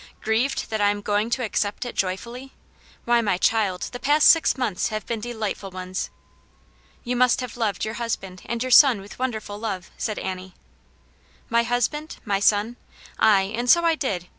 Grieved that I am going to accept it joyfully ? Why, my child, the past six months have been de lightful ones !"" You must have loved your husband and your son with wonderful love," said Annie. ^' My husband, my son? Aye, and so I did.